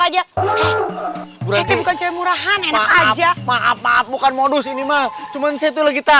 aja bukan murahan aja maaf bukan modus ini mah cuman saya itu lagi tak